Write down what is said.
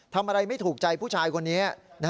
ทำอะไรไม่ถูกใจผู้ชายคนนี้